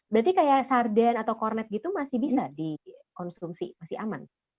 berarti kayak sarden atau kornet gitu masih bisa dikonsumsi masih aman